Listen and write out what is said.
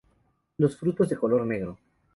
Los frutos de color negro.